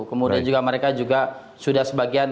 kemudian juga mereka juga sudah sebagian